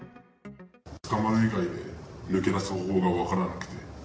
捕まる以外で、抜け出す方法が分からなくて。